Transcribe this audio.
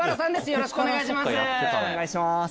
よろしくお願いします。